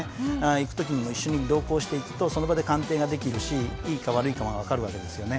行く時にも一緒に同行していくとその場で鑑定ができるしいいか悪いかがわかるわけですよね。